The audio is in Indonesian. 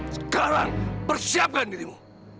sekarang persiapkan dirimu